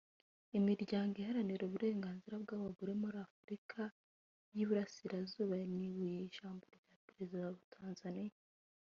Imiryango iharanira uburengaznira bw’abagore muri Afurika y’Iburasirazuba yaninubiye ijambo rya Perezida wa Tanzania